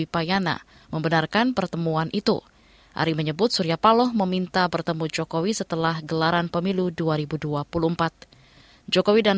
pertama kali kita berkahwin